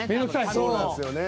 そうなんすよね。